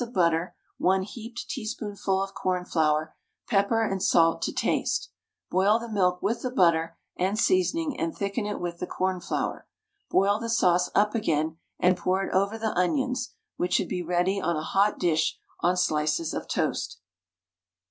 of butter, 1 heaped teaspoonful of cornflour, pepper and salt to taste. Boil the milk with the butter and seasoning, and thicken it with the cornflour. Boil the sauce up again and pour it over the onions, which should be ready on a hot dish on slices of toast.